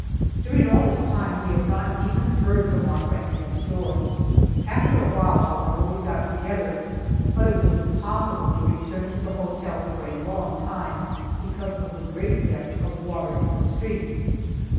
During all this time we had not even heard from our friends next door; after a while, however, we got together, but it was impossible to return to the hotel for a long time, because of the great depth of water in the street.